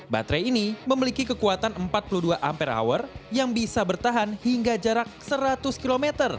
baterai ini memiliki kekuatan empat puluh dua ampere hour yang bisa bertahan hingga jarak seratus km